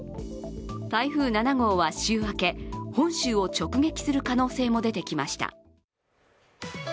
台風７号は週明け、本州を直撃する可能性も出てきました。